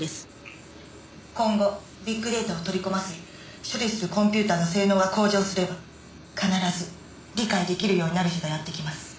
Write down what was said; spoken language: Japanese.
今後ビッグデータを取り込ませ処理するコンピューターの性能が向上すれば必ず理解出来るようになる日がやってきます。